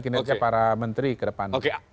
kinerja para menteri ke depan